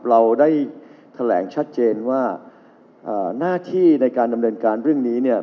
เราได้แถลงชัดเจนว่าหน้าที่ในการดำเนินการเรื่องนี้เนี่ย